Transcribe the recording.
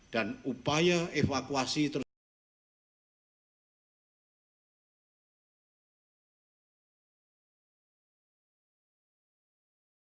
dan upaya evakuasi tersebut